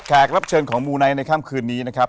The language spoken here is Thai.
รับเชิญของมูไนท์ในค่ำคืนนี้นะครับ